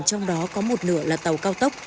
trong đó có một nửa là tàu cao tốc